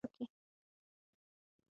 قانون د اداري واک حدود ټاکي.